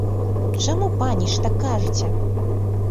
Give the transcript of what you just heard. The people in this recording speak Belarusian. Чаму, паніч, так кажаце?